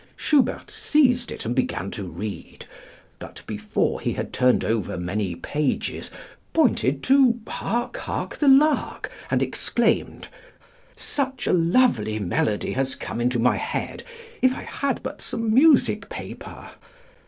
Schubert seized it and began to read; but, before he had turned over many pages, pointed to 'Hark, hark, the lark,' and exclaimed, 'Such a lovely melody has come into my head, if I had but some music paper.'